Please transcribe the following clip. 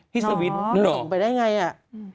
ที่สวิสเซอร์แลนด์อ๋อออกไปได้อย่างไร